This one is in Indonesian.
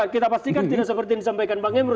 kita pastikan tidak seperti yang disampaikan bang hendro